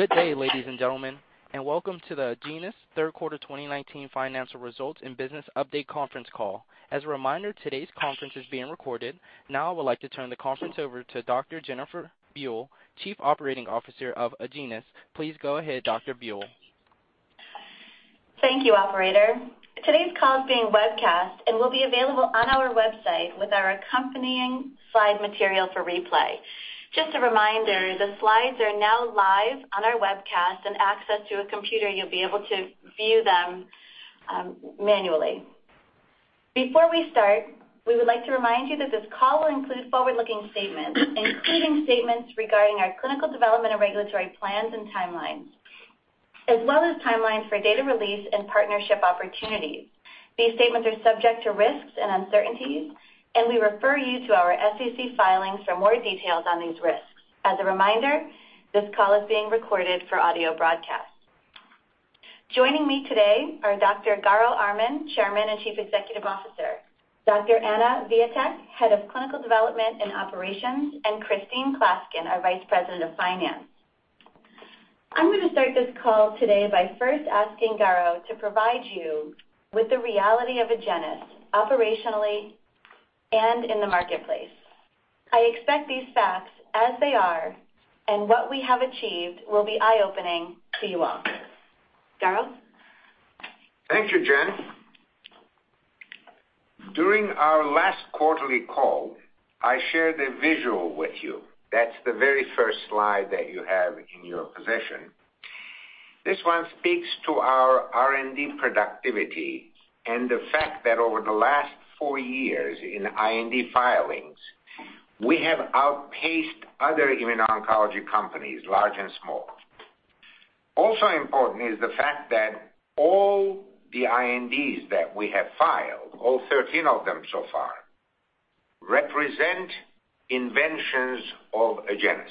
Good day, ladies and gentlemen, welcome to the Agenus Third Quarter 2019 Financial Results and Business Update Conference Call. As a reminder, today's conference is being recorded. I would like to turn the conference over to Dr. Jennifer Buell, Chief Operating Officer of Agenus. Please go ahead, Dr. Buell. Thank you, operator. Today's call is being webcast and will be available on our website with our accompanying slide material for replay. Just a reminder, the slides are now live on our webcast and access to a computer, you'll be able to view them manually. Before we start, we would like to remind you that this call will include forward-looking statements, including statements regarding our clinical development and regulatory plans and timelines, as well as timelines for data release and partnership opportunities. These statements are subject to risks and uncertainties, and we refer you to our SEC filings for more details on these risks. As a reminder, this call is being recorded for audio broadcast. Joining me today are Dr. Garo Armen, Chairman and Chief Executive Officer, Dr. Anna Wijatyk, Head of Clinical Development and Operations, and Christine Klaskin, our Vice President of Finance. I'm going to start this call today by first asking Garo to provide you with the reality of Agenus operationally and in the marketplace. I expect these facts as they are, and what we have achieved will be eye-opening to you all. Garo? Thank you, Jen. During our last quarterly call, I shared a visual with you. That's the very first slide that you have in your possession. This one speaks to our R&D productivity and the fact that over the last four years in IND filings, we have outpaced other immuno-oncology companies, large and small. Also important is the fact that all the INDs that we have filed, all 13 of them so far, represent inventions of Agenus.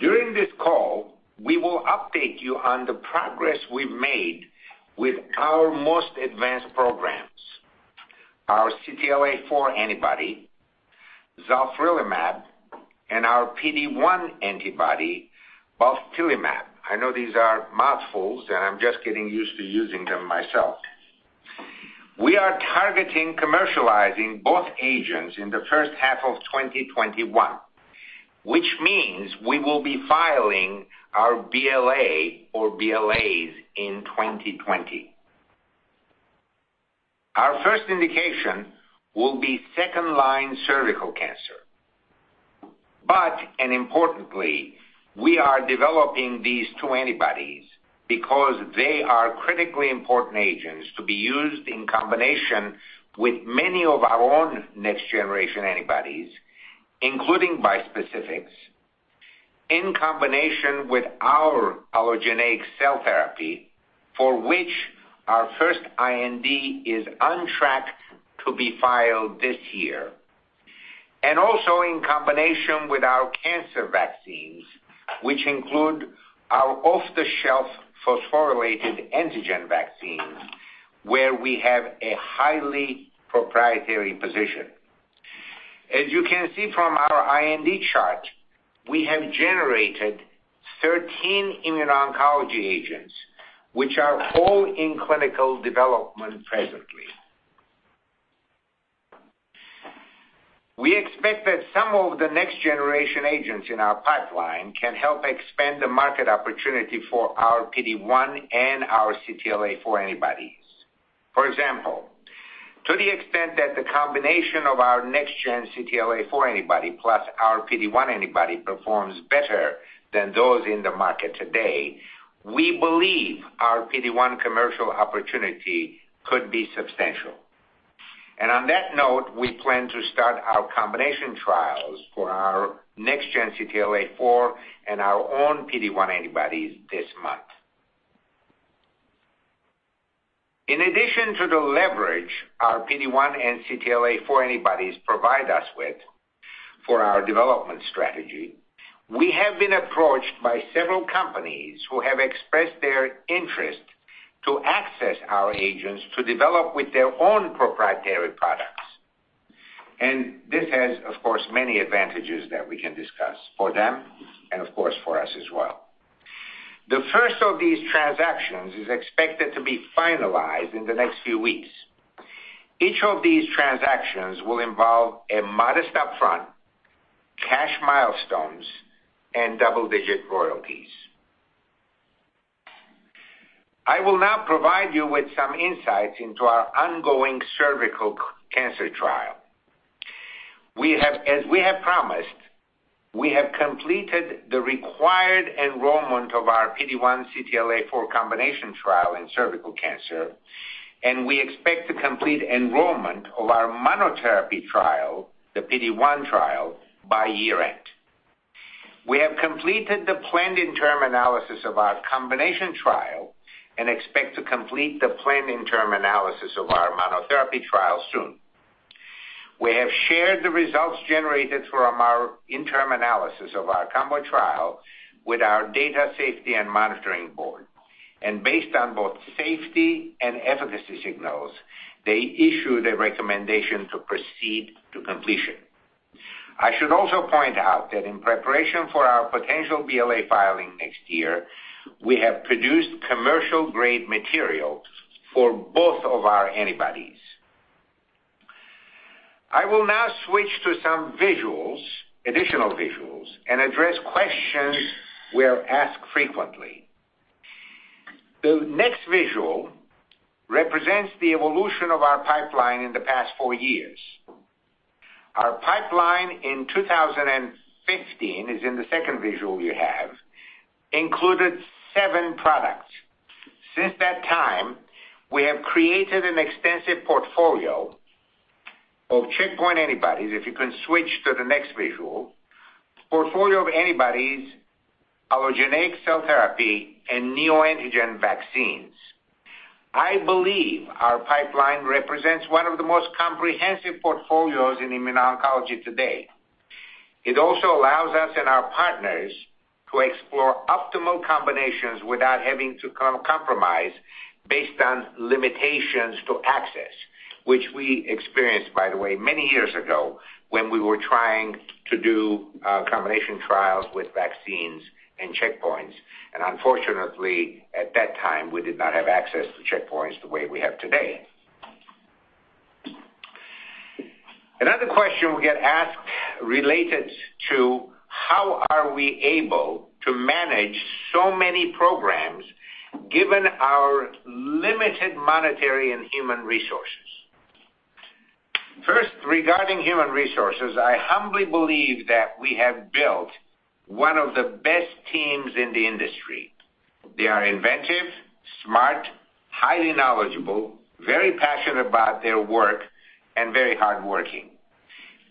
During this call, we will update you on the progress we've made with our most advanced programs, our CTLA-4 antibody, zalifrelimab, and our PD-1 antibody, balstilimab. I know these are mouthfuls, and I'm just getting used to using them myself. We are targeting commercializing both agents in the first half of 2021, which means we will be filing our BLA or BLAs in 2020. Our first indication will be second-line cervical cancer. And importantly, we are developing these two antibodies because they are critically important agents to be used in combination with many of our own next-generation antibodies, including bispecifics, in combination with our allogeneic cell therapy, for which our first IND is on track to be filed this year. Also in combination with our cancer vaccines, which include our off-the-shelf phosphorylated antigen vaccines, where we have a highly proprietary position. As you can see from our IND chart, we have generated 13 immuno-oncology agents, which are all in clinical development presently. We expect that some of the next generation agents in our pipeline can help expand the market opportunity for our PD-1 and our CTLA-4 antibodies. For example, to the extent that the combination of our next-gen CTLA-4 antibody plus our PD-1 antibody performs better than those in the market today, we believe our PD-1 commercial opportunity could be substantial. On that note, we plan to start our combination trials for our next-gen CTLA-4 and our own PD-1 antibodies this month. In addition to the leverage our PD-1 and CTLA-4 antibodies provide us with for our development strategy, we have been approached by several companies who have expressed their interest to access our agents to develop with their own proprietary products. This has, of course, many advantages that we can discuss for them and, of course, for us as well. The first of these transactions is expected to be finalized in the next few weeks. Each of these transactions will involve a modest upfront cash milestones and double-digit royalties. I will now provide you with some insights into our ongoing cervical cancer trial. As we have promised, we have completed the required enrollment of our PD-1/CTLA-4 combination trial in cervical cancer, and we expect to complete enrollment of our monotherapy trial, the PD-1 trial, by year-end. We have completed the planned interim analysis of our combination trial and expect to complete the planned interim analysis of our monotherapy trial soon. We have shared the results generated from our interim analysis of our combo trial with our Data and Safety Monitoring Board. Based on both safety and efficacy signals, they issued a recommendation to proceed to completion. I should also point out that in preparation for our potential BLA filing next year, we have produced commercial-grade material for both of our antibodies. I will now switch to some additional visuals and address questions we are asked frequently. The next visual represents the evolution of our pipeline in the past four years. Our pipeline in 2015, is in the second visual you have, included seven products. Since that time, we have created an extensive portfolio of checkpoint antibodies, if you can switch to the next visual, portfolio of antibodies, allogeneic cell therapy, and neoantigen vaccines. I believe our pipeline represents one of the most comprehensive portfolios in immuno-oncology today. It also allows us and our partners to explore optimal combinations without having to compromise based on limitations to access, which we experienced, by the way, many years ago, when we were trying to do combination trials with vaccines and checkpoints, and unfortunately, at that time, we did not have access to checkpoints the way we have today. Another question we get asked related to how are we able to manage so many programs given our limited monetary and human resources. First, regarding human resources, I humbly believe that we have built one of the best teams in the industry. They are inventive, smart, highly knowledgeable, very passionate about their work, and very hardworking.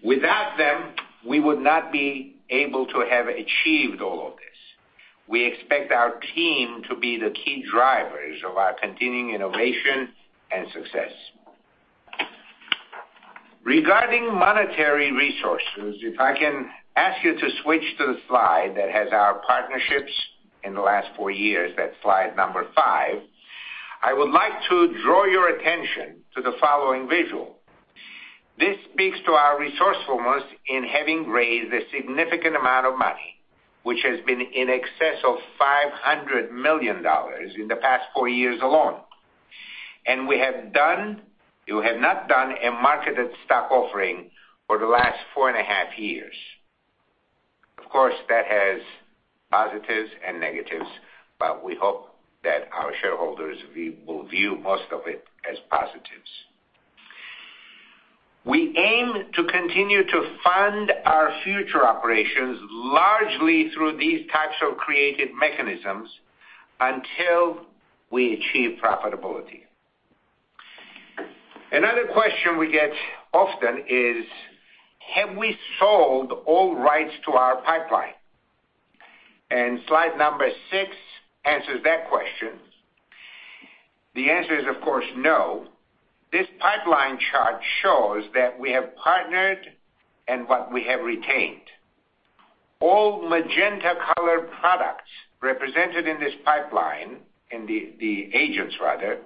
Without them, we would not be able to have achieved all of this. We expect our team to be the key drivers of our continuing innovation and success. Regarding monetary resources, if I can ask you to switch to the slide that has our partnerships in the last four years, that's slide number five, I would like to draw your attention to the following visual. This speaks to our resourcefulness in having raised a significant amount of money, which has been in excess of $500 million in the past four years alone. We have not done a marketed stock offering for the last four and a half years. Of course, that has positives and negatives, but we hope that our shareholders will view most of it as positives. We aim to continue to fund our future operations largely through these types of creative mechanisms until we achieve profitability. Another question we get often is, have we sold all rights to our pipeline? Slide number six answers that question. The answer is, of course, no. This pipeline chart shows that we have partnered and what we have retained. All magenta color products represented in this pipeline, and the agents rather,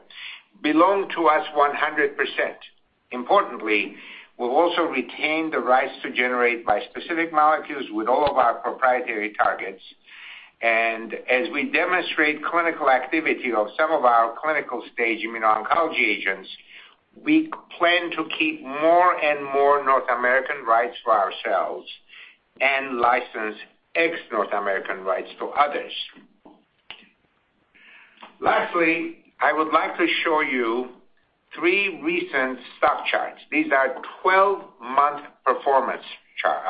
belong to us 100%. Importantly, we'll also retain the rights to generate bispecific molecules with all of our proprietary targets. As we demonstrate clinical activity of some of our clinical-stage immuno-oncology agents, we plan to keep more and more North American rights for ourselves and license ex-North American rights to others. Lastly, I would like to show you three recent stock charts. These are 12-month performance charts.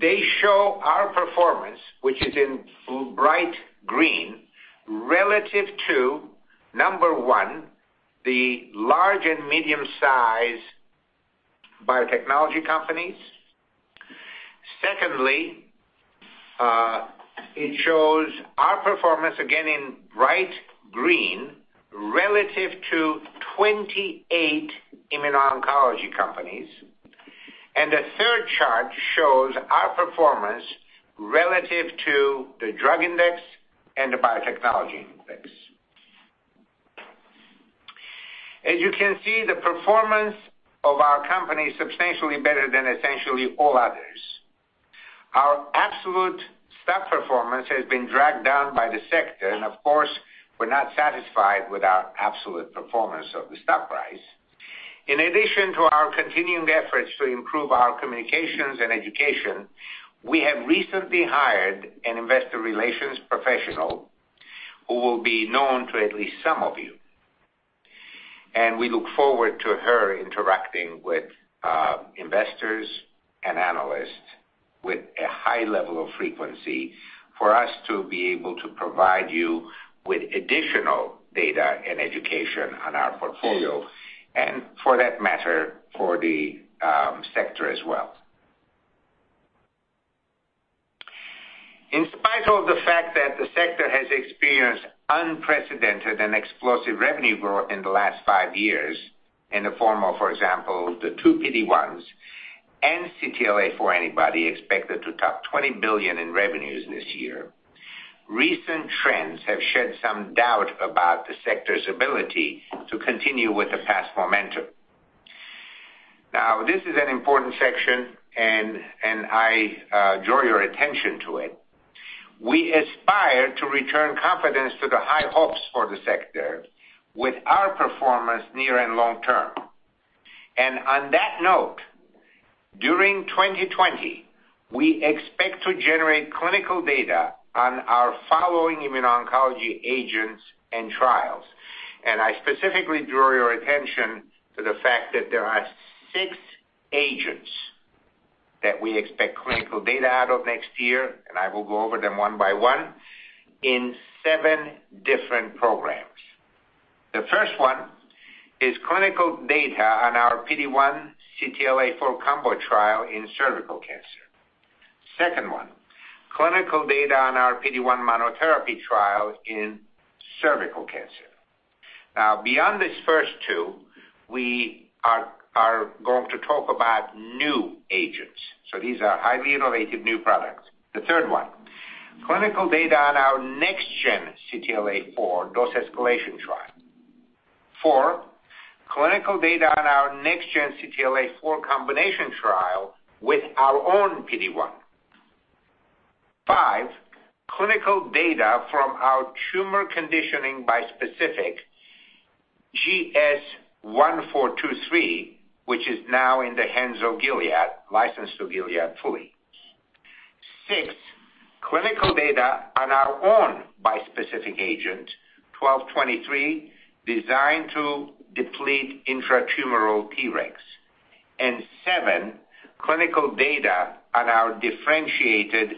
They show our performance, which is in bright green, relative to, number one, the large and medium size biotechnology companies. Secondly, it shows our performance, again, in bright green, relative to 28 immuno-oncology companies. The third chart shows our performance relative to the drug index and the biotechnology index. As you can see, the performance of our company is substantially better than essentially all others. Our absolute stock performance has been dragged down by the sector, and of course, we're not satisfied with our absolute performance of the stock price. In addition to our continuing efforts to improve our communications and education, we have recently hired an investor relations professional who will be known to at least some of you. We look forward to her interacting with investors and analysts with a high level of frequency for us to be able to provide you with additional data and education on our portfolio, and for that matter, for the sector as well. In spite of the fact that the sector has experienced unprecedented and explosive revenue growth in the last five years. In the form of, for example, the two PD-1s and CTLA-4 antibody expected to top $20 billion in revenues this year. Recent trends have shed some doubt about the sector's ability to continue with the past momentum. Now, this is an important section, and I draw your attention to it. We aspire to return confidence to the high hopes for the sector with our performance near and long term. On that note, during 2020, we expect to generate clinical data on our following immuno-oncology agents and trials. I specifically draw your attention to the fact that there are six agents that we expect clinical data out of next year, and I will go over them one by one, in seven different programs. The first one is clinical data on our PD-1/CTLA-4 combo trial in cervical cancer. Second one, clinical data on our PD-1 monotherapy trial in cervical cancer. Beyond these first two, we are going to talk about new agents. These are highly innovative new products. The third one, clinical data on our next-gen CTLA-4 dose escalation trial. Four, clinical data on our next-gen CTLA-4 combination trial with our own PD-1. 5, clinical data from our tumor conditioning bispecific GS-1423, which is now in the hands of Gilead, licensed to Gilead fully. 6, clinical data on our own bispecific AGEN1223, designed to deplete intratumoral Tregs. 7, clinical data on our differentiated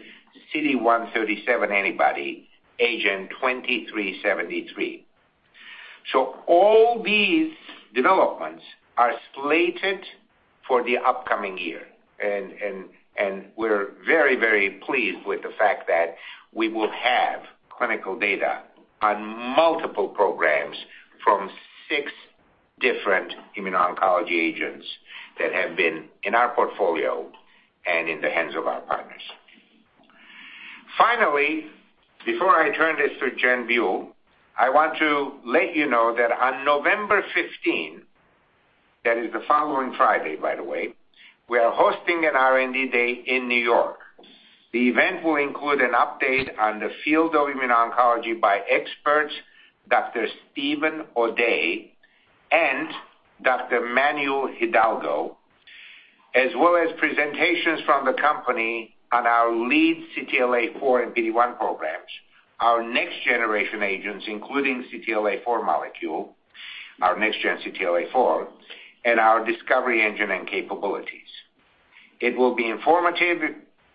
CD137 antibody, AGEN2373. All these developments are slated for the upcoming year, and we're very, very pleased with the fact that we will have clinical data on multiple programs from 6 different immuno-oncology agents that have been in our portfolio and in the hands of our partners. Finally, before I turn this to Jen Buell, I want to let you know that on November 15, that is the following Friday, by the way, we are hosting an R&D Day in N.Y. The event will include an update on the field of immuno-oncology by experts Dr. Steven O'Day and Dr. Manuel Hidalgo, as well as presentations from the company on our lead CTLA-4 and PD-1 programs, our next generation agents, including CTLA-4 molecule, our next-gen CTLA-4, and our discovery engine and capabilities. It will be informative,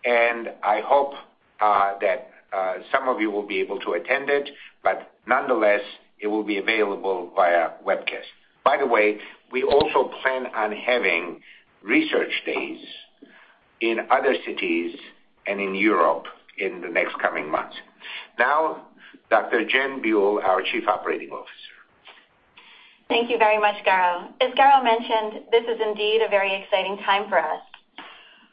and I hope that some of you will be able to attend it, but nonetheless, it will be available via webcast. By the way, we also plan on having research days in other cities and in Europe in the next coming months. Now, Dr. Jen Buell, our Chief Operating Officer. Thank you very much, Garo. As Garo mentioned, this is indeed a very exciting time for us.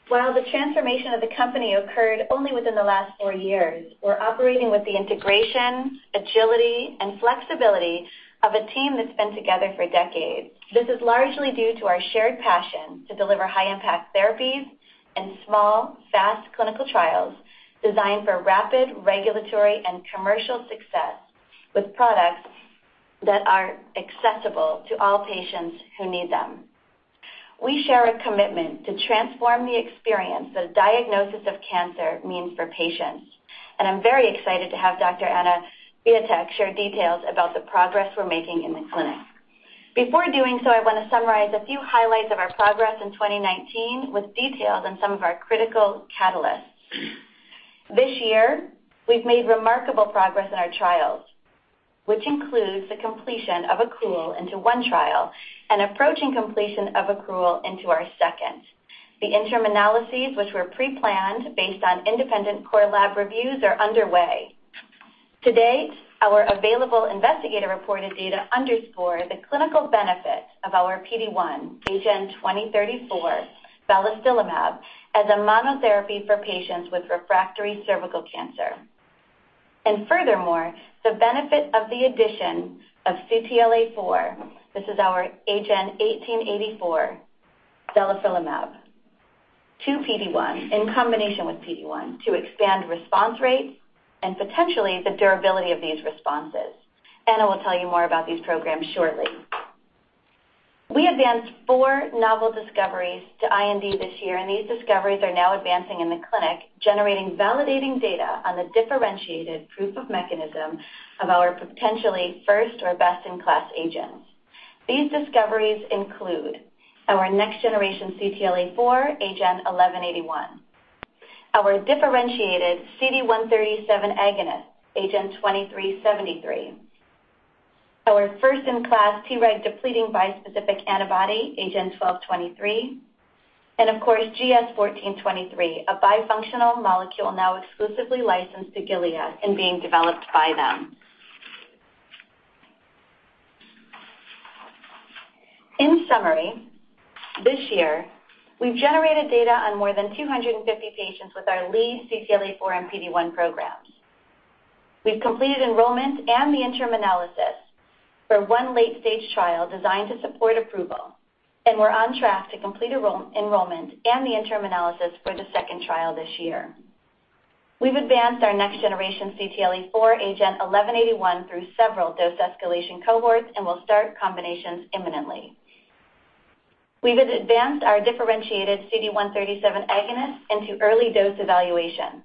While the transformation of the company occurred only within the last four years, we're operating with the integration, agility, and flexibility of a team that's been together for decades. This is largely due to our shared passion to deliver high-impact therapies and small, fast clinical trials designed for rapid regulatory and commercial success, with products that are accessible to all patients who need them. We share a commitment to transform the experience that a diagnosis of cancer means for patients, and I'm very excited to have Dr. Anna Wijatyk share details about the progress we're making in the clinic. Before doing so, I want to summarize a few highlights of our progress in 2019 with details on some of our critical catalysts. This year, we've made remarkable progress in our trials, which includes the completion of accrual into one trial and approaching completion of accrual into our second. The interim analyses, which were pre-planned based on independent core lab reviews, are underway. To date, our available investigator-reported data underscore the clinical benefit of our PD-1, AGEN2034, balstilimab, as a monotherapy for patients with refractory cervical cancer. Furthermore, the benefit of the addition of CTLA-4, this is our AGEN1884, zalifrelimab, to PD-1, in combination with PD-1, to expand response rates and potentially the durability of these responses. Anna will tell you more about these programs shortly. We advanced four novel discoveries to IND this year. These discoveries are now advancing in the clinic, generating validating data on the differentiated proof of mechanism of our potentially first or best-in-class agents. These discoveries include our next generation CTLA-4, AGEN1181, our differentiated CD137 agonist, AGEN2373, our first-in-class Tregs depleting bispecific antibody, AGEN1223. Of course, GS-1423, a bifunctional molecule now exclusively licensed to Gilead and being developed by them. In summary, this year we've generated data on more than 250 patients with our lead CTLA-4 and PD-1 programs. We've completed enrollment and the interim analysis for one late-stage trial designed to support approval. We're on track to complete enrollment and the interim analysis for the second trial this year. We've advanced our next generation CTLA-4 AGEN1181 through several dose escalation cohorts and will start combinations imminently. We've advanced our differentiated CD137 agonist into early dose evaluation.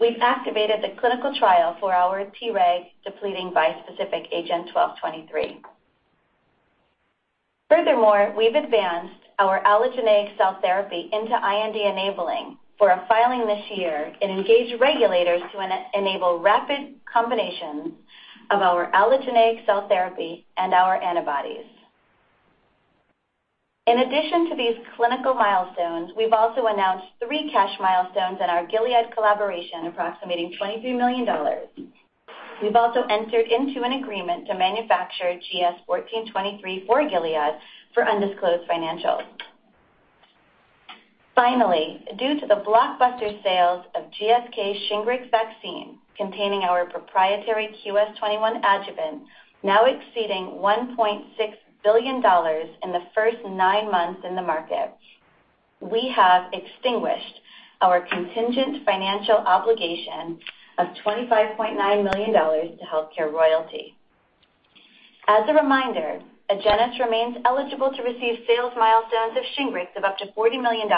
We've activated the clinical trial for our Tregs depleting bispecific AGEN1223. We've advanced our allogeneic cell therapy into IND-enabling for a filing this year and engaged regulators to enable rapid combinations of our allogeneic cell therapy and our antibodies. To these clinical milestones, we've also announced three cash milestones in our Gilead collaboration approximating $23 million. We've also entered into an agreement to manufacture GS-1423 for Gilead for undisclosed financials. Due to the blockbuster sales of GSK's SHINGRIX vaccine containing our proprietary QS-21 adjuvant now exceeding $1.6 billion in the first nine months in the market, we have extinguished our contingent financial obligation of $25.9 million to HealthCare Royalty. As a reminder, Agenus remains eligible to receive sales milestones of SHINGRIX of up to $40 million,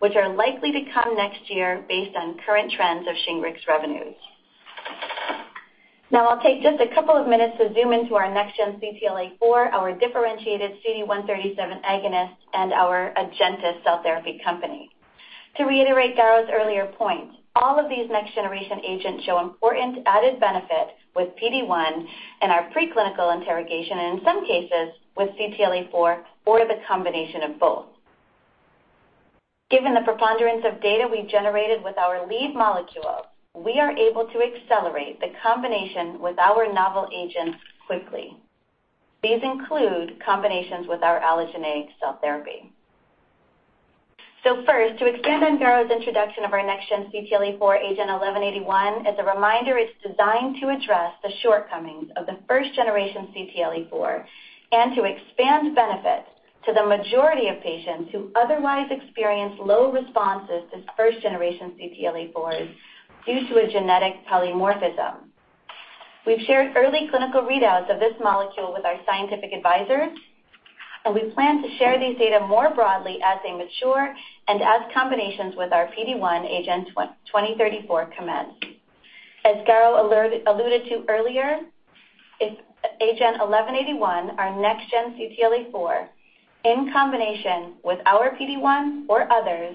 which are likely to come next year based on current trends of SHINGRIX revenues. I'll take just a couple of minutes to zoom into our next-gen CTLA-4, our differentiated CD137 agonist, and our AgenTus cell therapy company. To reiterate Garo's earlier point, all of these next-generation agents show important added benefit with PD-1 in our preclinical interrogation and in some cases with CTLA-4 or the combination of both. Given the preponderance of data we generated with our lead molecule, we are able to accelerate the combination with our novel agents quickly. These include combinations with our allogeneic cell therapy. First, to expand on Garo's introduction of our next-gen CTLA-4 AGEN1181, as a reminder, it's designed to address the shortcomings of the first generation CTLA-4 and to expand benefits to the majority of patients who otherwise experience low responses to first generation CTLA-4s due to a genetic polymorphism. We've shared early clinical readouts of this molecule with our scientific advisors, and we plan to share these data more broadly as they mature and as combinations with our PD-1 AGEN2034 commence. As Garo alluded to earlier, if AGEN1181, our next-gen CTLA-4, in combination with our PD-1 or others,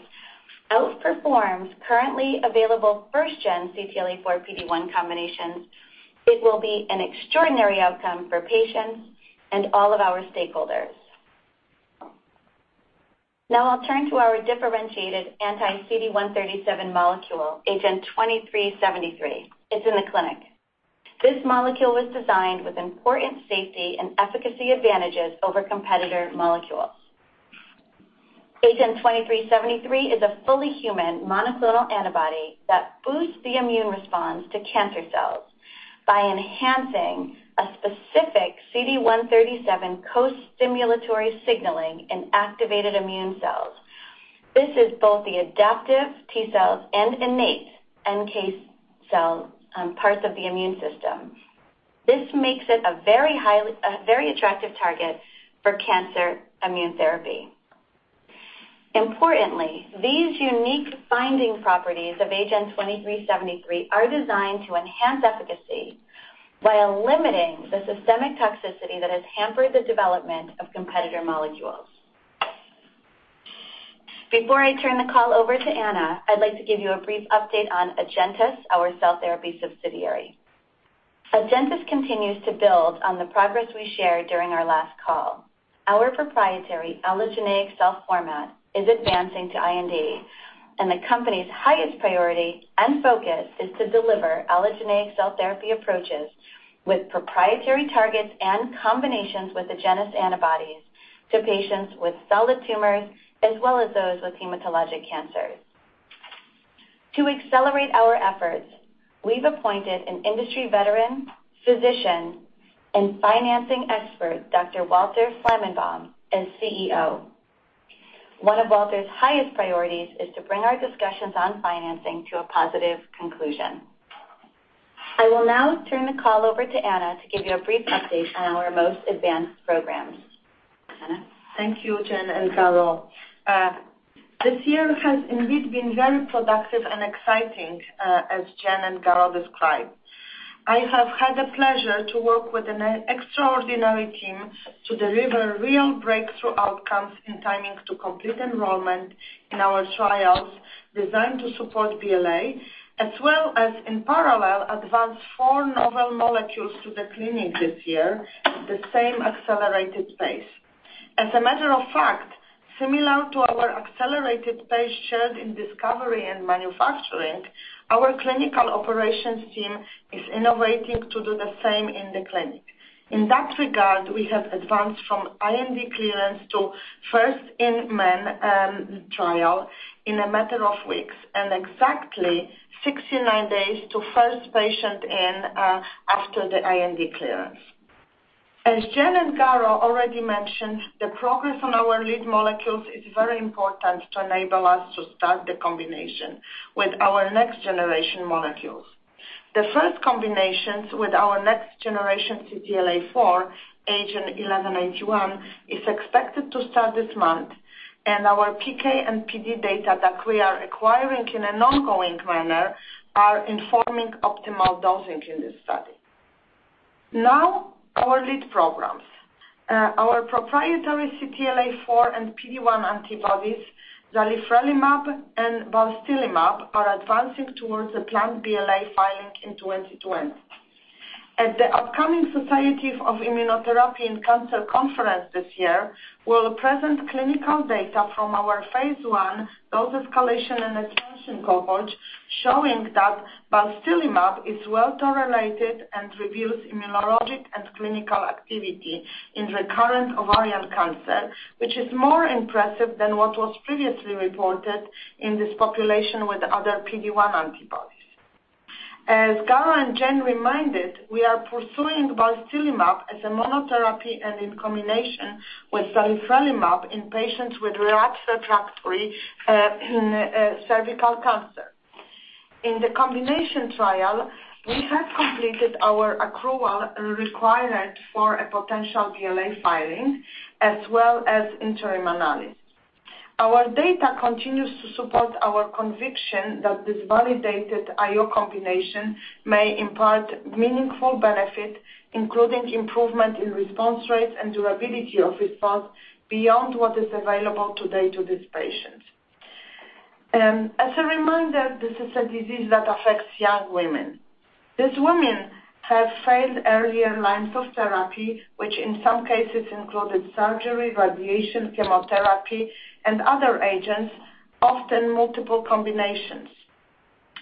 outperforms currently available first-gen CTLA-4/PD-1 combinations, it will be an extraordinary outcome for patients and all of our stakeholders. Now I'll turn to our differentiated anti CD137 molecule, AGEN2373. It's in the clinic. This molecule was designed with important safety and efficacy advantages over competitor molecules. AGEN2373 is a fully human monoclonal antibody that boosts the immune response to cancer cells by enhancing a specific CD137 co-stimulatory signaling in activated immune cells. This is both the adaptive T cells and innate NK cell parts of the immune system. This makes it a very attractive target for cancer immunotherapy. Importantly, these unique binding properties of AGEN2373 are designed to enhance efficacy while limiting the systemic toxicity that has hampered the development of competitor molecules. Before I turn the call over to Anna, I'd like to give you a brief update on AgenTus, our cell therapy subsidiary. AgenTus continues to build on the progress we shared during our last call. Our proprietary allogeneic cell format is advancing to IND. The company's highest priority and focus is to deliver allogeneic cell therapy approaches with proprietary targets and combinations with Agenus antibodies to patients with solid tumors as well as those with hematologic cancers. To accelerate our efforts, we've appointed an industry veteran, physician, and financing expert, Dr. Walter Flamenbaum, as CEO. One of Walter's highest priorities is to bring our discussions on financing to a positive conclusion. I will now turn the call over to Anna to give you a brief update on our most advanced programs. Anna? Thank you, Jen and Garo. This year has indeed been very productive and exciting, as Jen and Garo described. I have had the pleasure to work with an extraordinary team to deliver real breakthrough outcomes in timing to complete enrollment in our trials designed to support BLA, as well as in parallel, advance four novel molecules to the clinic this year at the same accelerated pace. As a matter of fact, similar to our accelerated pace shared in discovery and manufacturing, our clinical operations team is innovating to do the same in the clinic. In that regard, we have advanced from IND clearance to first in-man trial in a matter of weeks, and exactly 69 days to first patient in after the IND clearance. As Jen and Garo already mentioned, the progress on our lead molecules is very important to enable us to start the combination with our next generation molecules. The first combinations with our next generation CTLA-4, AGEN1181, is expected to start this month. Our PK and PD data that we are acquiring in an ongoing manner are informing optimal dosing in this study. Our proprietary CTLA-4 and PD-1 antibodies, zalifrelimab and balstilimab, are advancing towards a planned BLA filing in 2020. At the upcoming Society for Immunotherapy of Cancer conference this year, we'll present clinical data from our phase I dose escalation and expansion cohort, showing that balstilimab is well-tolerated and reveals immunologic and clinical activity in recurrent ovarian cancer, which is more impressive than what was previously reported in this population with other PD-1 antibodies. As Garo and Jen reminded, we are pursuing balstilimab as a monotherapy and in combination with zalifrelimab in patients with relapsed refractory cervical cancer. In the combination trial, we have completed our accrual requirement for a potential BLA filing, as well as interim analysis. Our data continues to support our conviction that this validated IO combination may impart meaningful benefit, including improvement in response rates and durability of response beyond what is available today to these patients. As a reminder, this is a disease that affects young women. These women have failed earlier lines of therapy, which in some cases included surgery, radiation, chemotherapy, and other agents, often multiple combinations.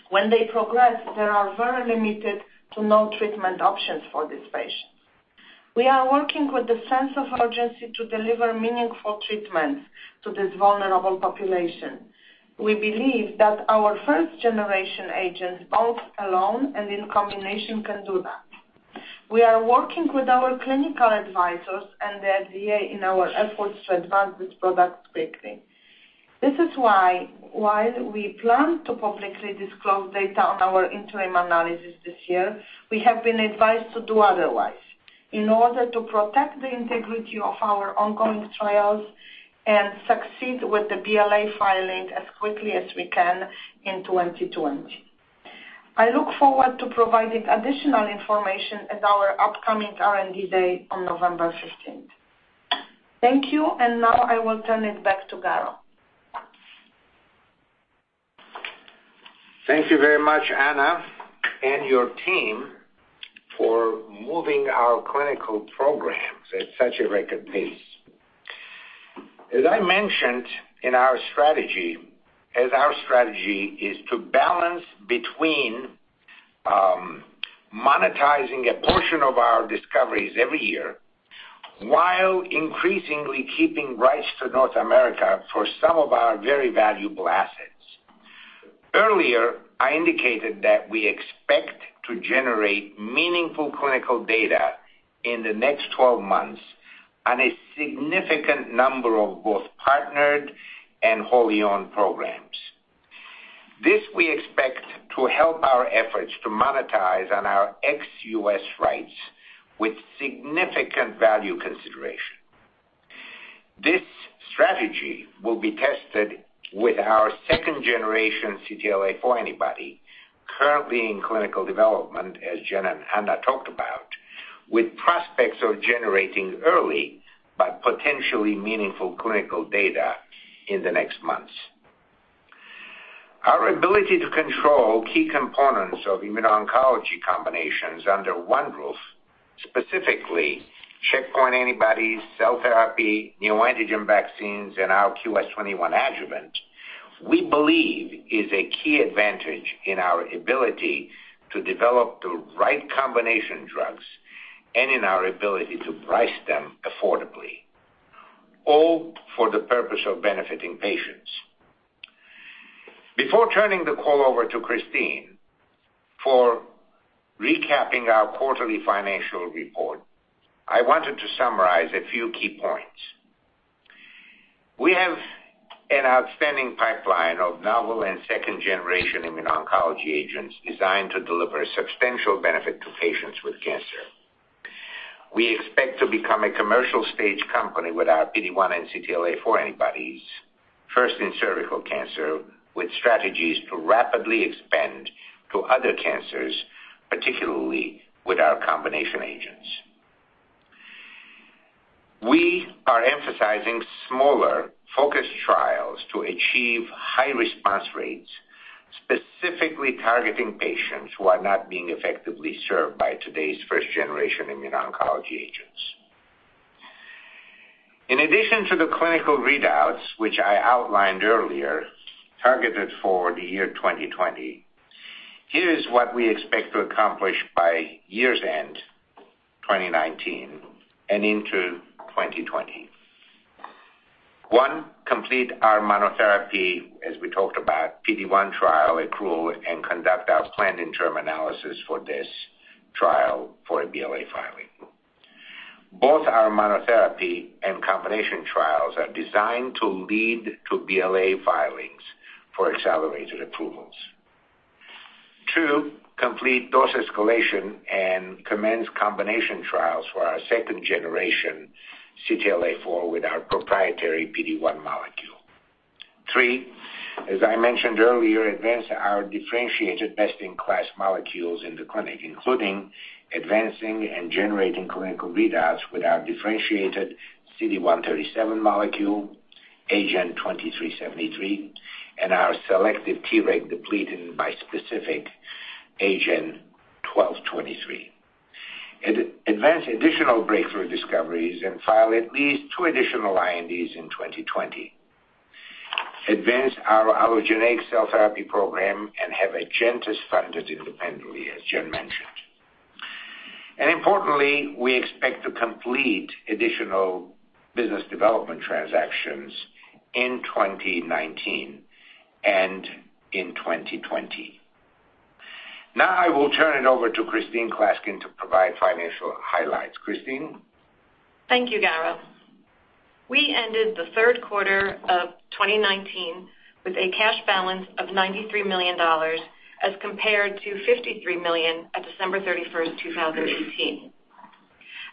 When they progress, there are very limited to no treatment options for these patients. We are working with a sense of urgency to deliver meaningful treatments to this vulnerable population. We believe that our first generation agents, both alone and in combination, can do that. We are working with our clinical advisors and the FDA in our efforts to advance these products quickly. This is why, while we plan to publicly disclose data on our interim analysis this year, we have been advised to do otherwise in order to protect the integrity of our ongoing trials and succeed with the BLA filing as quickly as we can in 2020. I look forward to providing additional information at our upcoming R&D day on November 15th. Thank you, and now I will turn it back to Garo. Thank you very much, Anna, and your team for moving our clinical programs at such a record pace. As I mentioned in our strategy, as our strategy is to balance between monetizing a portion of our discoveries every year while increasingly keeping rights to North America for some of our very valuable assets. Earlier, I indicated that we expect to generate meaningful clinical data in the next 12 months on a significant number of both partnered and wholly-owned programs. This we expect to help our efforts to monetize on our ex-US rights with significant value consideration. This strategy will be tested with our second generation CTLA-4 antibody, currently in clinical development, as Jen and Anna talked about, with prospects of generating early but potentially meaningful clinical data in the next months. Our ability to control key components of immuno-oncology combinations under one roof, specifically checkpoint antibodies, cell therapy, neoantigen vaccines, and our QS-21 adjuvant, we believe is a key advantage in our ability to develop the right combination drugs and in our ability to price them affordably, all for the purpose of benefiting patients. Before turning the call over to Christine for recapping our quarterly financial report, I wanted to summarize a few key points. We have an outstanding pipeline of novel and second-generation immuno-oncology agents designed to deliver substantial benefit to patients with cancer. We expect to become a commercial stage company with our PD-1 and CTLA-4 antibodies, first in cervical cancer, with strategies to rapidly expand to other cancers, particularly with our combination agents. We are emphasizing smaller focus trials to achieve high response rates, specifically targeting patients who are not being effectively served by today's first generation immuno-oncology agents. In addition to the clinical readouts, which I outlined earlier, targeted for the year 2020, here's what we expect to accomplish by year's end 2019 and into 2020. One, complete our monotherapy, as we talked about, PD-1 trial accrual and conduct our planned interim analysis for this trial for a BLA filing. Both our monotherapy and combination trials are designed to lead to BLA filings for accelerated approvals. Two, complete dose escalation and commence combination trials for our second-generation CTLA-4 with our proprietary PD-1 molecule. Three, as I mentioned earlier, advance our differentiated best-in-class molecules in the clinic, including advancing and generating clinical readouts with our differentiated CD137 molecule, AGN 2373, and our selective T reg depleting bispecific AGN 1223. Advance additional breakthrough discoveries and file at least two additional INDs in 2020. Advance our allogeneic cell therapy program and have AgenTus funded independently, as Jen mentioned. Importantly, we expect to complete additional business development transactions in 2019 and in 2020. Now I will turn it over to Christine Klaskin to provide financial highlights. Christine? Thank you, Garo. We ended the third quarter of 2019 with a cash balance of $93 million as compared to $53 million on December 31st, 2018.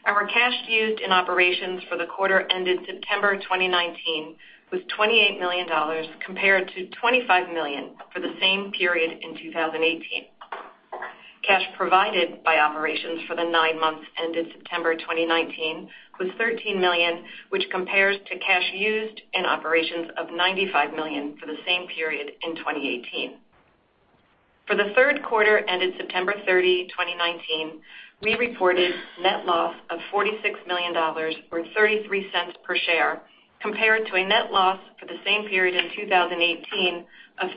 Our cash used in operations for the quarter ended September 2019 was $28 million, compared to $25 million for the same period in 2018. Cash provided by operations for the nine months ended September 2019 was $13 million, which compares to cash used in operations of $95 million for the same period in 2018. For the third quarter ended September 30, 2019, we reported net loss of $46 million, or $0.33 per share, compared to a net loss for the same period in 2018 of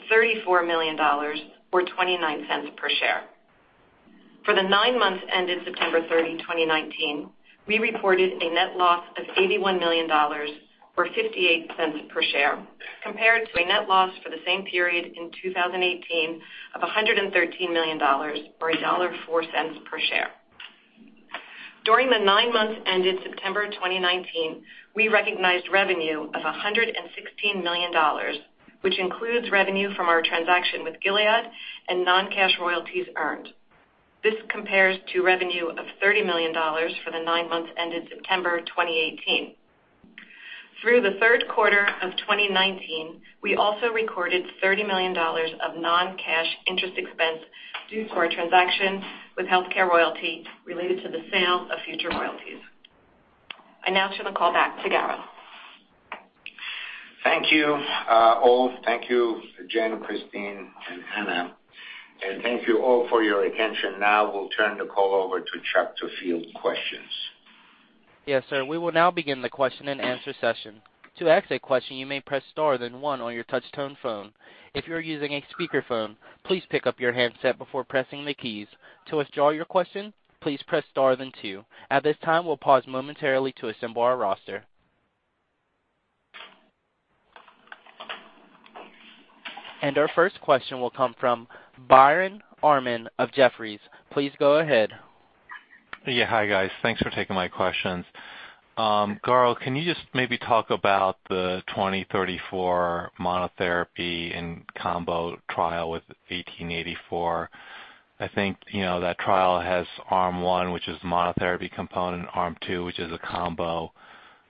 $34 million or $0.29 per share. For the nine months ended September 30, 2019, we reported a net loss of $81 million or $0.58 per share, compared to a net loss for the same period in 2018 of $113 million or $1.04 per share. During the nine months ended September 2019, we recognized revenue of $116 million, which includes revenue from our transaction with Gilead and non-cash royalties earned. This compares to revenue of $30 million for the nine months ended September 2018. Through the third quarter of 2019, we also recorded $30 million of non-cash interest expense due to our transaction with Healthcare Royalty related to the sale of future royalties. I now turn the call back to Garo. Thank you all. Thank you, Jen, Christine, and Anna. Thank you all for your attention. Now we'll turn the call over to Chuck to field questions. Yes, sir. We will now begin the question and answer session. To ask a question, you may press star then one on your touch-tone phone. If you are using a speakerphone, please pick up your handset before pressing the keys. To withdraw your question, please press star then two. At this time, we'll pause momentarily to assemble our roster. Our first question will come from Biren Amin of Jefferies. Please go ahead. Yeah. Hi, guys. Thanks for taking my questions. Garo, can you just maybe talk about the 2034 monotherapy and combo trial with 1884? I think that trial has arm 1, which is monotherapy component, arm 2, which is a combo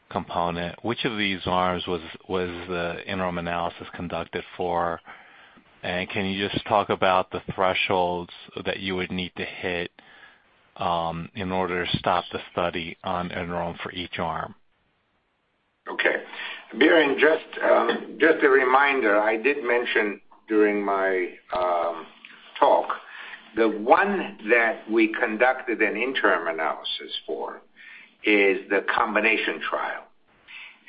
component. Which of these arms was the interim analysis conducted for? Can you just talk about the thresholds that you would need to hit in order to stop the study on interim for each arm? Okay. Biren, just a reminder, I did mention during my talk, the one that we conducted an interim analysis for is the combination trial.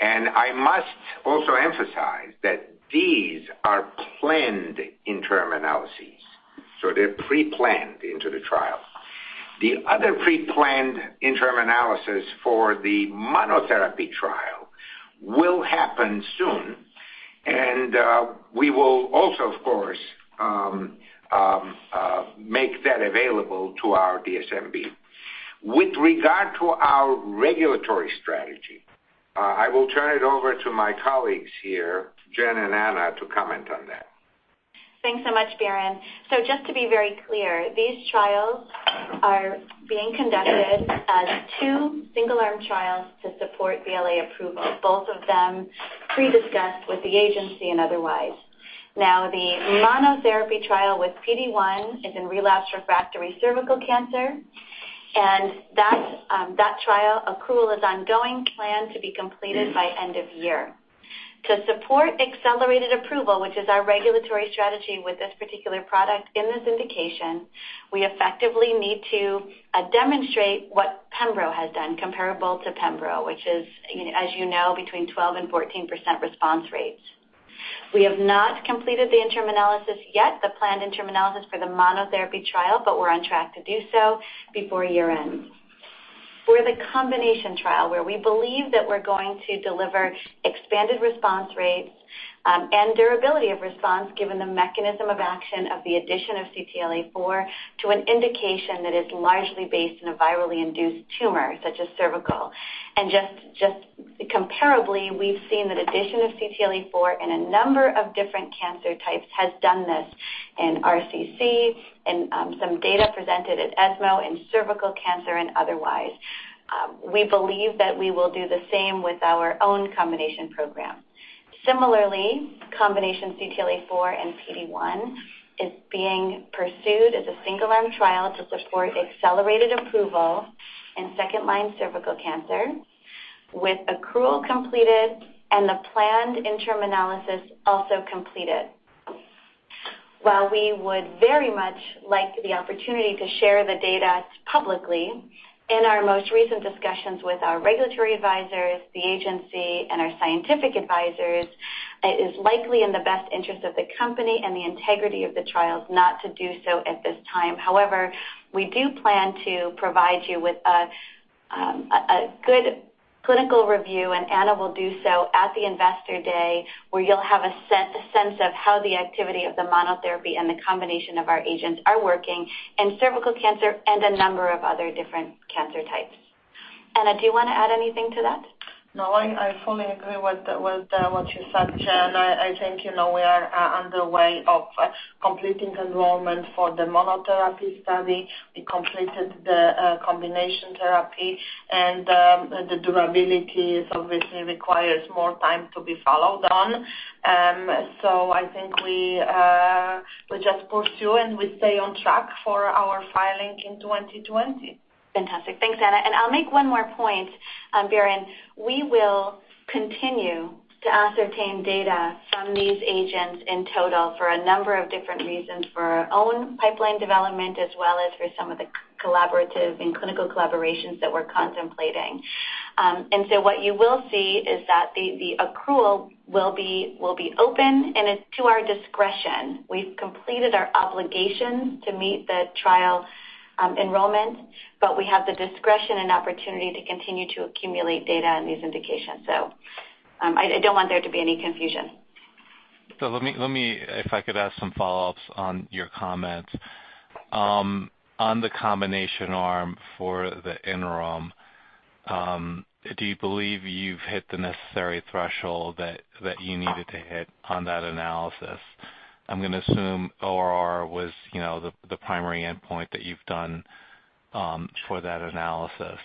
I must also emphasize that these are planned interim analyses, so they're pre-planned into the trial. The other pre-planned interim analysis for the monotherapy trial will happen soon. We will also, of course, make that available to our DSMB. With regard to our regulatory strategy, I will turn it over to my colleagues here, Jen and Anna, to comment on that. Thanks much, Biren. Just to be very clear, these trials are being conducted as two single-arm trials to support BLA approval, both of them pre-discussed with the FDA and otherwise. The monotherapy trial with PD-1 is in relapsed refractory cervical cancer. That trial accrual is ongoing, planned to be completed by end of year. To support accelerated approval, which is our regulatory strategy with this particular product in this indication, we effectively need to demonstrate what pembrolizumab has done comparable to pembrolizumab, which is, as you know, between 12% and 14% response rates. We have not completed the interim analysis yet, the planned interim analysis for the monotherapy trial, we're on track to do so before year-end. For the combination trial, where we believe that we're going to deliver expanded response rates and durability of response, given the mechanism of action of the addition of CTLA-4 to an indication that is largely based in a virally induced tumor such as cervical. Just comparably, we've seen that addition of CTLA-4 in a number of different cancer types has done this in RCC, in some data presented at ESMO, in cervical cancer, and otherwise. We believe that we will do the same with our own combination program. Similarly, combination CTLA-4 and PD-1 is being pursued as a single-arm trial to support accelerated approval in second-line cervical cancer with accrual completed and the planned interim analysis also completed. While we would very much like the opportunity to share the data publicly, in our most recent discussions with our regulatory advisors, the agency, and our scientific advisors, it is likely in the best interest of the company and the integrity of the trials not to do so at this time. However, we do plan to provide you with a good clinical review, and Anna will do so at the investor day, where you'll have a sense of how the activity of the monotherapy and the combination of our agents are working in cervical cancer and a number of other different cancer types. Anna, do you want to add anything to that? No, I fully agree with what you said, Jen. I think we are on the way of completing enrollment for the monotherapy study. We completed the combination therapy, and the durability obviously requires more time to be followed on. I think we just pursue, and we stay on track for our filing in 2020. Fantastic. Thanks, Anna. I'll make one more point, Byron. We will continue to ascertain data from these agents in total for a number of different reasons, for our own pipeline development as well as for some of the collaborative and clinical collaborations that we're contemplating. What you will see is that the accrual will be open, and it's to our discretion. We've completed our obligation to meet the trial enrollment, but we have the discretion and opportunity to continue to accumulate data in these indications. I don't want there to be any confusion. Let me, if I could ask some follow-ups on your comments. On the combination arm for the interim, do you believe you've hit the necessary threshold that you needed to hit on that analysis? I'm going to assume ORR was the primary endpoint that you've done for that analysis.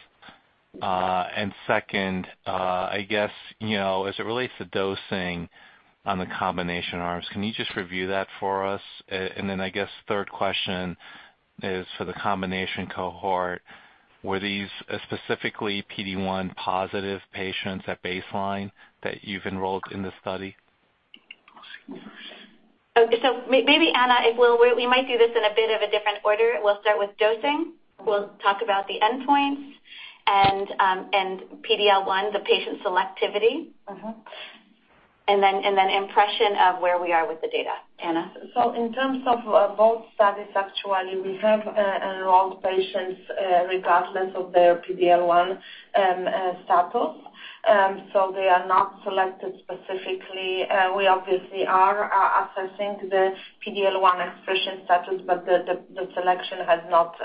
Second, I guess, as it relates to dosing on the combination arms, can you just review that for us? Then I guess third question is for the combination cohort, were these specifically PD-1 positive patients at baseline that you've enrolled in the study? Maybe Anna, we might do this in a bit of a different order. We'll start with dosing. We'll talk about the endpoints and PD-L1, the patient selectivity. Impression of where we are with the data. Anna? In terms of both studies, actually, we have enrolled patients regardless of their PD-L1 status. They are not selected specifically. We obviously are assessing the PD-L1 expression status, but the selection has not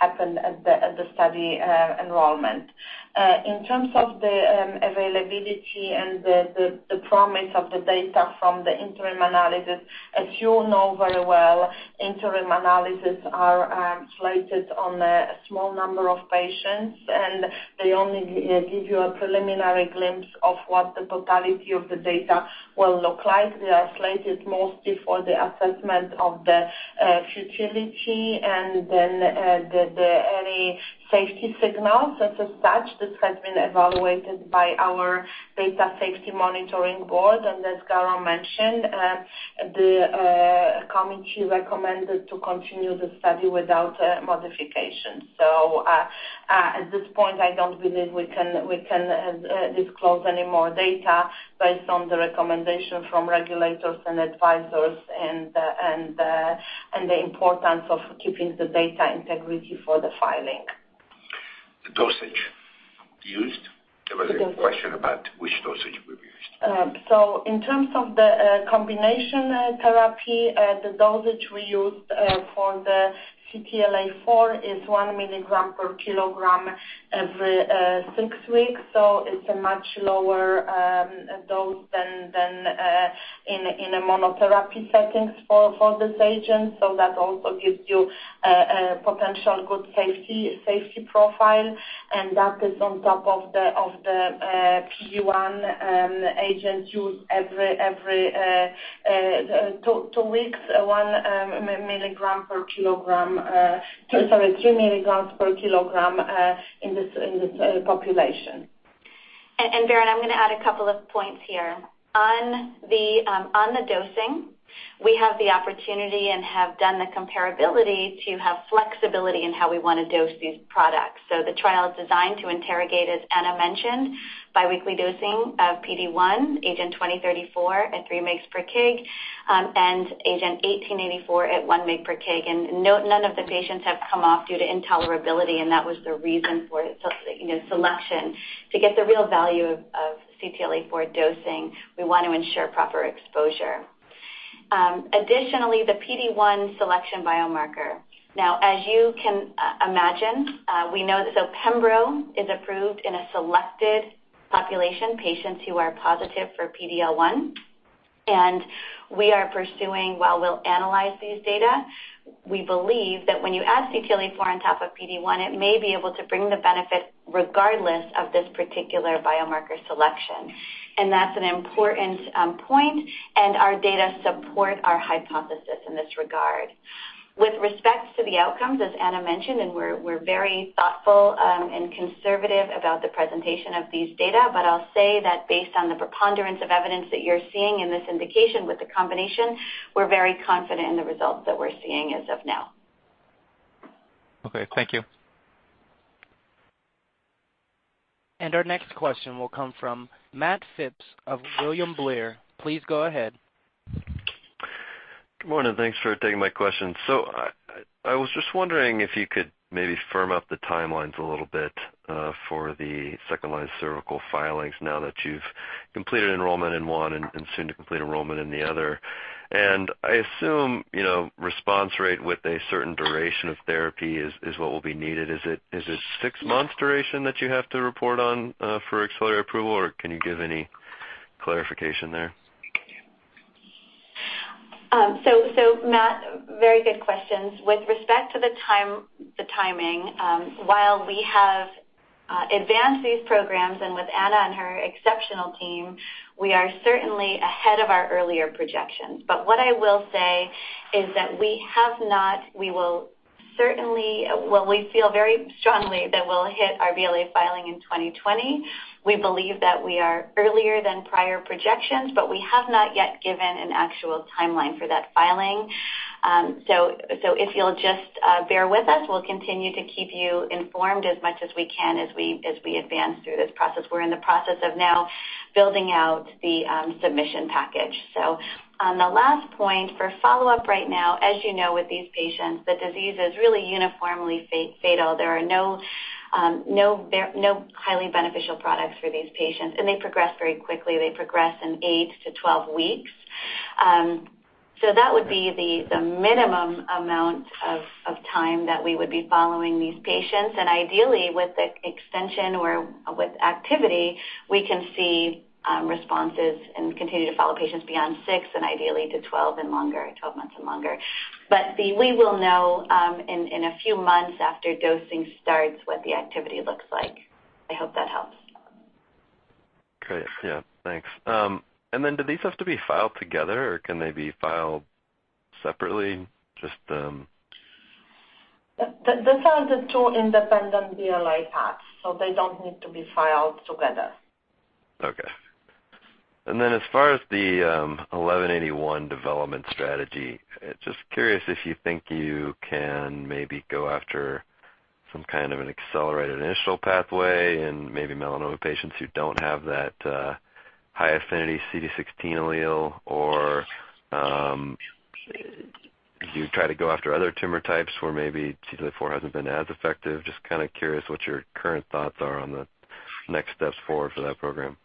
happened at the study enrollment. In terms of the availability and the promise of the data from the interim analysis, as you know very well, interim analysis are slated on a small number of patients, and they only give you a preliminary glimpse of what the totality of the data will look like. They are slated mostly for the assessment of the futility and then any safety signals. As a such, this has been evaluated by our Data and Safety Monitoring Board. As Garo mentioned, the committee recommended to continue the study without modifications. At this point, I don't believe we can disclose any more data based on the recommendation from regulators and advisors and the importance of keeping the data integrity for the filing. The dosage used. There was a question about which dosage we've used. In terms of the combination therapy, the dosage we used for the CTLA-4 is one milligram per kilogram every six weeks. It's a much lower dose than in a monotherapy setting for this agent. That also gives you a potential good safety profile, and that is on top of the PD-1 agent used every two weeks, three milligrams per kilogram in this population. Byron, I'm going to add a couple of points here. On the dosing, we have the opportunity and have done the comparability to have flexibility in how we want to dose these products. The trial is designed to interrogate, as Anna mentioned, bi-weekly dosing of PD-1, AGEN2034 at three mgs per kg, and AGEN1884 at one mg per kg. None of the patients have come off due to intolerability, and that was the reason for the selection. To get the real value of CTLA-4 dosing, we want to ensure proper exposure. Additionally, the PD-1 selection biomarker. Now, as you can imagine, we know that pembro is approved in a selected population, patients who are positive for PD-L1, and we are pursuing while we'll analyze these data. We believe that when you add CTLA-4 on top of PD-1, it may be able to bring the benefit regardless of this particular biomarker selection. That's an important point, and our data support our hypothesis in this regard. With respect to the outcomes, as Anna mentioned, and we're very thoughtful and conservative about the presentation of these data, but I'll say that based on the preponderance of evidence that you're seeing in this indication with the combination, we're very confident in the results that we're seeing as of now. Okay. Thank you. Our next question will come from Matt Phipps of William Blair. Please go ahead. Good morning. Thanks for taking my question. I was just wondering if you could maybe firm up the timelines a little bit for the second-line cervical filings now that you've completed enrollment in one and soon to complete enrollment in the other. I assume response rate with a certain duration of therapy is what will be needed. Is it six months duration that you have to report on for accelerated approval, or can you give any clarification there? Matt, very good questions. With respect to the timing, while we have advanced these programs and with Anna and her exceptional team, we are certainly ahead of our earlier projections. What I will say is that we feel very strongly that we'll hit our BLA filing in 2020. We believe that we are earlier than prior projections, but we have not yet given an actual timeline for that filing. If you'll just bear with us, we'll continue to keep you informed as much as we can as we advance through this process. We're in the process of now building out the submission package. On the last point for follow-up right now, as you know, with these patients, the disease is really uniformly fatal. There are no highly beneficial products for these patients, and they progress very quickly. They progress in eight to 12 weeks. That would be the minimum amount of time that we would be following these patients. Ideally, with extension or with activity, we can see responses and continue to follow patients beyond six and ideally to 12 months and longer. We will know in a few months after dosing starts what the activity looks like. I hope that helps. Great. Yeah. Thanks. Do these have to be filed together, or can they be filed separately? These are the two independent BLA paths. They don't need to be filed together. Okay. As far as the 1181 development strategy, just curious if you think you can maybe go after some kind of an accelerated initial pathway in maybe melanoma patients who don't have that high affinity CD16 allele, or do you try to go after other tumor types where maybe CTLA-4 hasn't been as effective? Just kind of curious what your current thoughts are on the next steps forward for that program.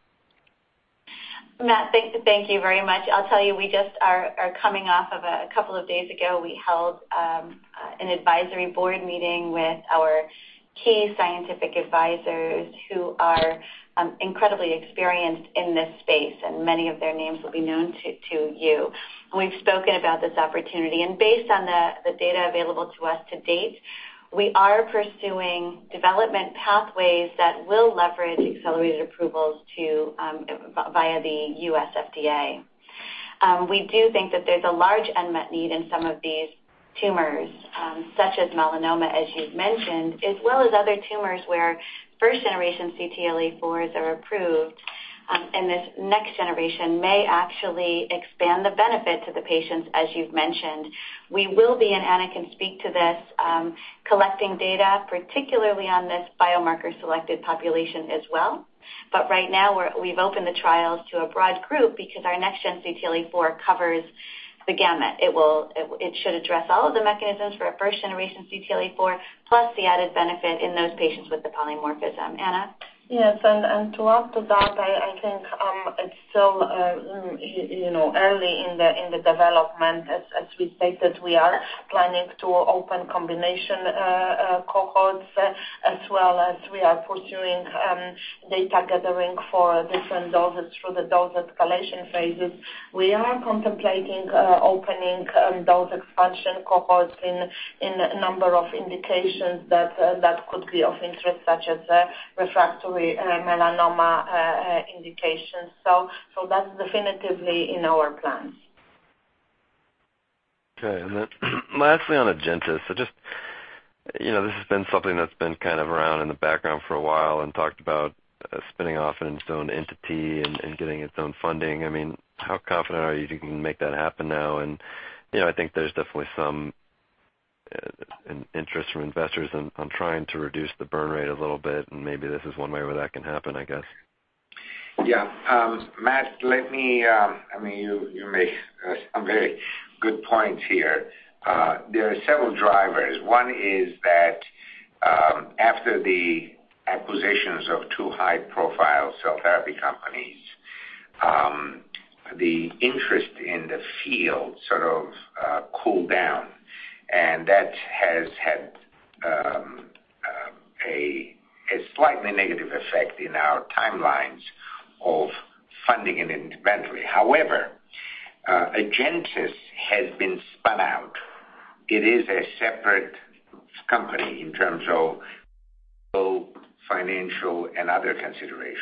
Matt, thank you very much. I'll tell you, we just are coming off of a couple of days ago, we held an advisory board meeting with our key scientific advisors who are incredibly experienced in this space, and many of their names will be known to you. Based on the data available to us to date, we are pursuing development pathways that will leverage accelerated approvals via the U.S. FDA. We do think that there's a large unmet need in some of these tumors, such as melanoma, as you've mentioned, as well as other tumors where first generation CTLA-4s are approved, this next generation may actually expand the benefit to the patients, as you've mentioned. We will be, Anna can speak to this, collecting data, particularly on this biomarker selected population as well. Right now, we've opened the trials to a broad group because our next gen CTLA-4 covers the gamut. It should address all of the mechanisms for a first generation CTLA-4, plus the added benefit in those patients with the polymorphism. Anna? Yes. To add to that, I think it's still early in the development as we stated we are planning to open combination cohorts, as well as we are pursuing data gathering for different doses through the dose escalation phases. We are contemplating opening dose expansion cohorts in a number of indications that could be of interest, such as refractory melanoma indications. That's definitively in our plans. Okay. Lastly, on AgenTus. This has been something that's been kind of around in the background for a while and talked about spinning off into its own entity and getting its own funding. How confident are you that you can make that happen now? I think there's definitely some interest from investors on trying to reduce the burn rate a little bit, and maybe this is one way where that can happen, I guess. Yeah. Matt, you make some very good points here. There are several drivers. One is that after the acquisitions of two high-profile cell therapy companies, the interest in the field sort of cooled down, and that has had a slightly negative effect in our timelines of funding it independently. However, AgenTus has been spun out. It is a separate company in terms of both financial and other considerations.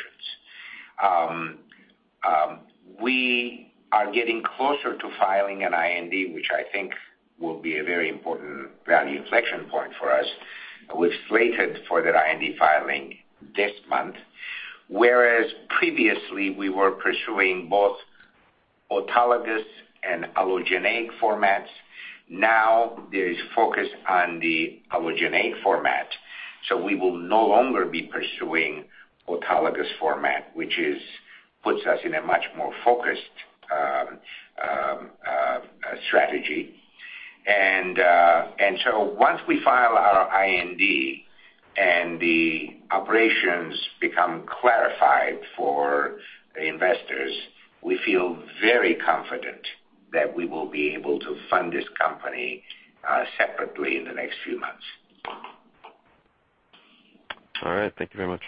We are getting closer to filing an IND, which I think will be a very important value inflection point for us. We've slated for that IND filing this month. Whereas previously we were pursuing both autologous and allogeneic formats. Now there is focus on the allogeneic format, so we will no longer be pursuing autologous format, which puts us in a much more focused strategy. Once we file our IND and the operations become clarified for investors, we feel very confident that we will be able to fund this company separately in the next few months. All right. Thank you very much.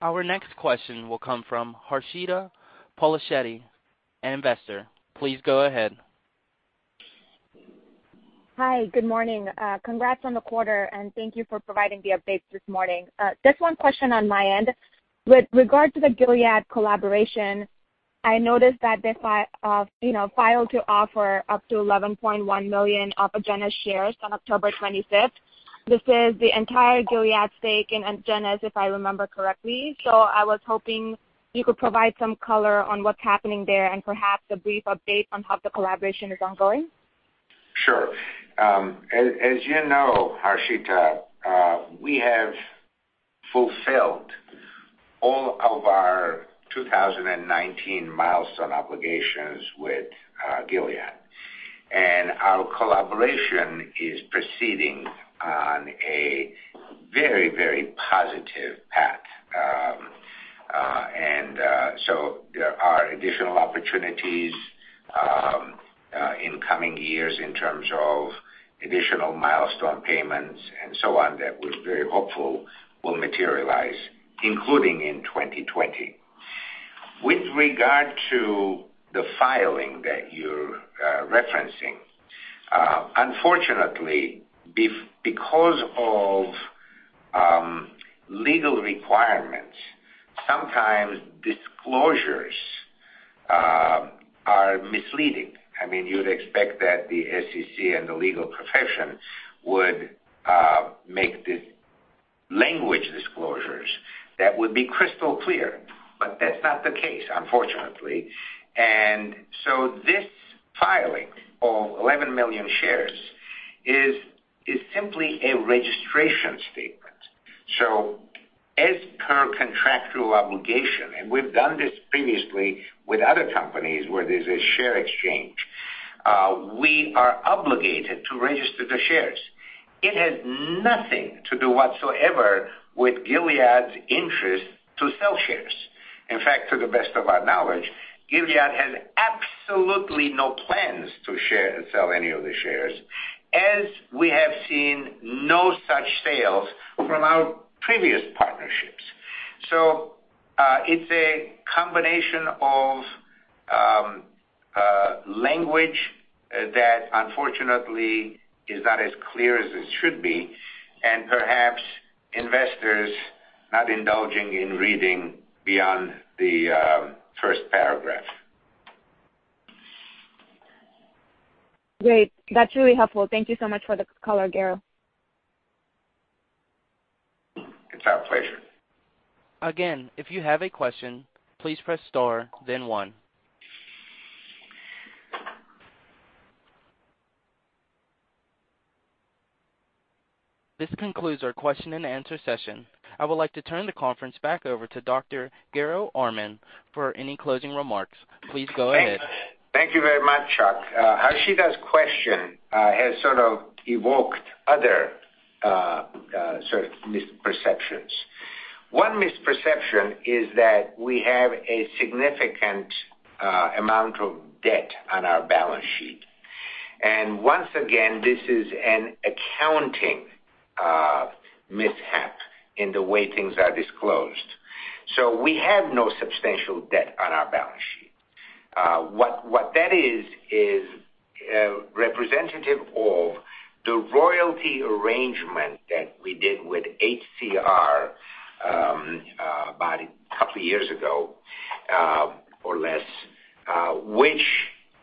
Our next question will come from Harshita Polishetty, an investor. Please go ahead. Hi. Good morning. Congrats on the quarter, and thank you for providing the updates this morning. Just one question on my end. With regard to the Gilead collaboration, I noticed that they filed to offer up to 11.1 million of Agenus shares on October 25th. This is the entire Gilead stake in Agenus, if I remember correctly. I was hoping you could provide some color on what's happening there and perhaps a brief update on how the collaboration is ongoing. Sure. As you know, Harshita, we have fulfilled all of our 2019 milestone obligations with Gilead, and our collaboration is proceeding on a very positive path. There are additional opportunities in coming years in terms of additional milestone payments and so on that we're very hopeful will materialize, including in 2020. With regard to the filing that you're referencing, unfortunately, because of legal requirements, sometimes disclosures are misleading. You'd expect that the SEC and the legal profession would make the language disclosures that would be crystal clear, but that's not the case, unfortunately. This filing of 11 million shares is simply a registration statement. As per contractual obligation, and we've done this previously with other companies where there's a share exchange, we are obligated to register the shares. It has nothing to do whatsoever with Gilead's interest to sell shares. In fact, to the best of our knowledge, Gilead has absolutely no plans to sell any of the shares, as we have seen no such sales from our previous partnerships. It's a combination of language that unfortunately is not as clear as it should be and perhaps investors not indulging in reading beyond the first paragraph. Great. That's really helpful. Thank you so much for the color, Garo. It's our pleasure. If you have a question, please press star, then one. This concludes our question and answer session. I would like to turn the conference back over to Dr. Garo Armen for any closing remarks. Please go ahead. Thank you very much, Chuck. Harshita's question has sort of evoked other sort of misperceptions. One misperception is that we have a significant amount of debt on our balance sheet. Once again, this is an accounting mishap in the way things are disclosed. We have no substantial debt on our balance sheet. What that is representative of the royalty arrangement that we did with HCR about a couple of years ago, or less, which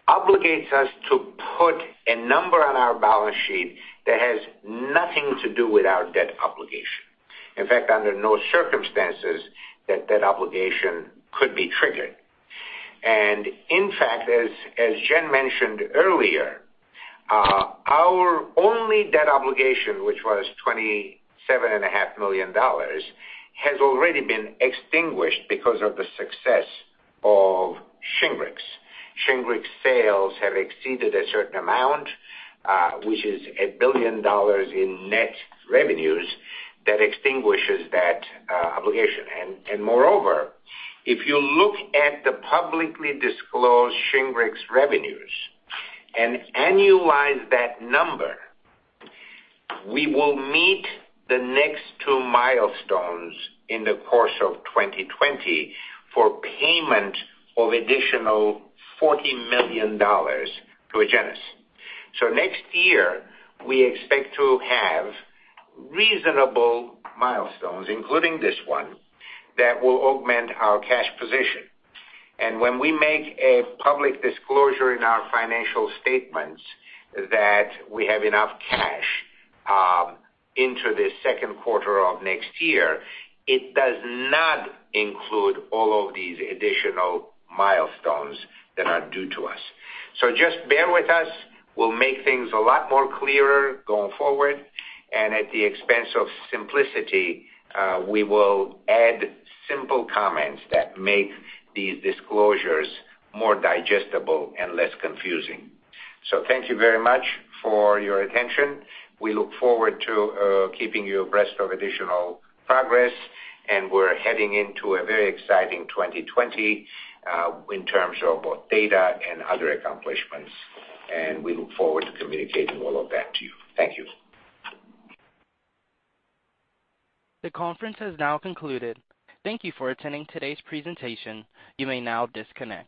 obligates us to put a number on our balance sheet that has nothing to do with our debt obligation. In fact, under no circumstances that that obligation could be triggered. In fact, as Jen mentioned earlier, our only debt obligation, which was $27.5 million, has already been extinguished because of the success of SHINGRIX. SHINGRIX sales have exceeded a certain amount, which is $1 billion in net revenues that extinguishes that obligation. Moreover, if you look at the publicly disclosed SHINGRIX revenues and annualize that number, we will meet the next two milestones in the course of 2020 for payment of additional $40 million to Agenus. Next year, we expect to have reasonable milestones, including this one, that will augment our cash position. When we make a public disclosure in our financial statements that we have enough cash into the second quarter of next year, it does not include all of these additional milestones that are due to us. Just bear with us. We'll make things a lot more clearer going forward. At the expense of simplicity, we will add simple comments that make these disclosures more digestible and less confusing. Thank you very much for your attention. We look forward to keeping you abreast of additional progress, and we're heading into a very exciting 2020 in terms of both data and other accomplishments. We look forward to communicating all of that to you. Thank you. The conference has now concluded. Thank you for attending today's presentation. You may now disconnect.